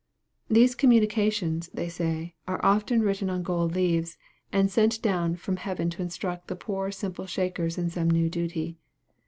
These communications, they say, are often written on gold leaves, and sent down from heaven to instruct the poor simple Shakers in some new duty.